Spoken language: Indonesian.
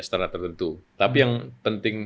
secara tertentu tapi yang penting